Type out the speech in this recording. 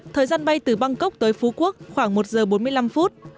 thời gian bay từ bangkok tới phú quốc khoảng một giờ bốn mươi năm phút